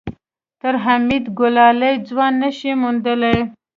تر حميد ګلالی ځوان نه شې موندلی.